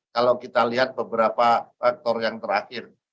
kalau kita lihat beberapa faktor yang terakhir